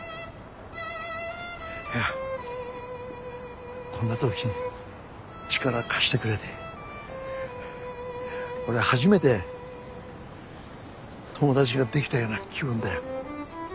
いやこんな時に力貸してくれて俺初めて友達ができたような気分だよ。